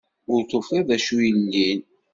Ur tufiḍ d acu yellin.